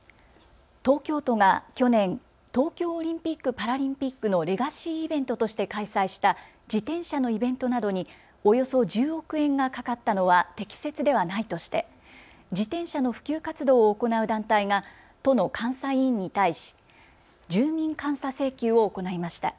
東京都が去年、東京オリンピック・パラリンピックのレガシーイベントとして開催した自転車のイベントなどにおよそ１０億円がかかったのは適切ではないとして自転車の普及活動を行う団体が都の監査委員に対し住民監査請求を行いました。